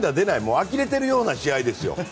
あきれているような試合ですよ。